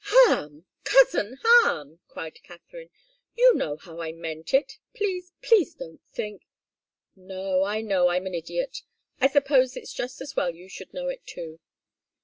"Ham! Cousin Ham!" cried Katharine. "You know how I meant it please, please don't think " "No; I know I'm an idiot. I suppose it's just as well you should know it, too.